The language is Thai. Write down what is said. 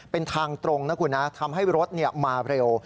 เป็นทางตรงนะคุณนะทำให้รถมาเร็ว